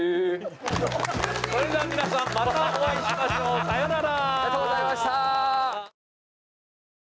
それでは皆さんまたお会いしましょう。さようなら！